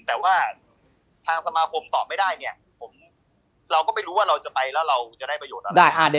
แต่ว่าทางสมาคมตอบไม่ได้เนี่ยเราก็ไม่รู้ว่าเราจะไปแล้วเราจะได้ประโยชน์อะไร